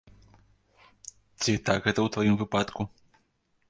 Ці так гэта ў тваім выпадку?